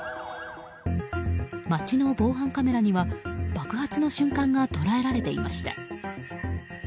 街の防犯カメラには爆発の瞬間が捉えられていました。